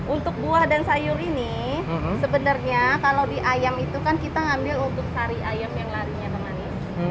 untuk buah dan sayur ini sebenarnya kalau di ayam itu kan kita ngambil untuk sari ayam yang larinya ke manis